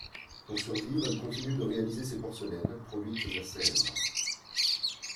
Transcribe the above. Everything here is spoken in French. Pour survivre, elle continue de réaliser ses porcelaines, produites à Sèvres.